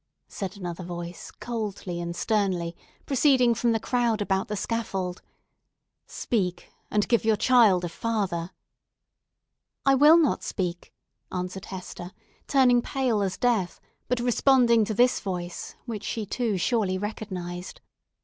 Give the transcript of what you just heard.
said another voice, coldly and sternly, proceeding from the crowd about the scaffold, "Speak; and give your child a father!" "I will not speak!" answered Hester, turning pale as death, but responding to this voice, which she too surely recognised.